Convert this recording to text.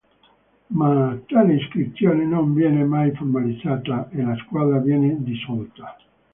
Ma tale iscrizione non viene mai formalizzata e la squadra viene dissolta.